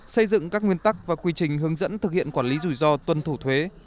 xây dựng các nguyên tắc và quy trình hướng dẫn thực hiện quản lý rủi ro tuân thủ thuế